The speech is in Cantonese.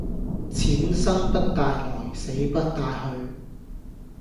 錢生不帶來死不帶去